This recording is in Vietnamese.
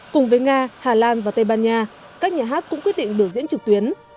cùng với nga hà lan và tây ban nha các nhà hát cũng quyết định biểu diễn trực tuyến